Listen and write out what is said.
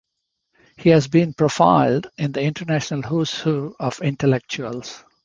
He has been profiled in the International Who's Who of Intellectuals.